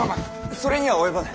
それには及ばぬ！